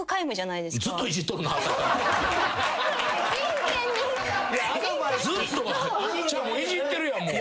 いじってるやんもう。